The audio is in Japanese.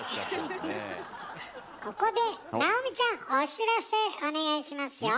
ここで尚美ちゃんお知らせお願いしますよ。